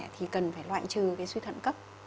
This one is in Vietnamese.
thì cần phải loại trừ cái suy thận cấp